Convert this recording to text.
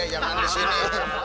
jangan di sini